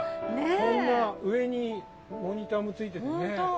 こんな上にモニターもついててね。